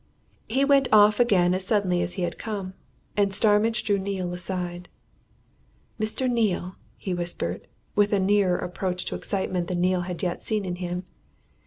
He went off again as suddenly as he had come and Starmidge drew Neale aside. "Mr. Neale!" he whispered, with a nearer approach to excitement than Neale had yet seen in him.